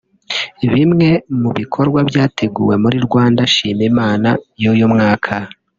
Bimwe mu bikorwa byateguwe muri Rwanda Shima Imana y’uyu mwaka